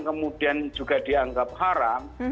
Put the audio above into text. kemudian juga dianggap haram